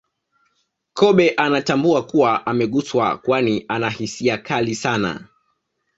Kobe anatambua kuwa ameguswa kwani ana hisia kali sana